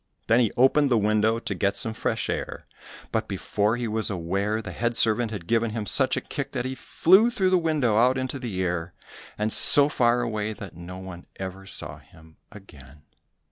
Then he opened the window to get some fresh air, but before he was aware, the head servant had given him such a kick that he flew through the window out into the air, and so far away that no one ever saw him again.